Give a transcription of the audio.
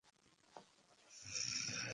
আমি তোমাদের বিশ্বাস করি।